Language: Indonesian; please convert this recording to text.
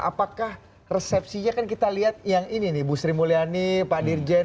apakah resepsinya kan kita lihat yang ini nih bu sri mulyani pak dirjen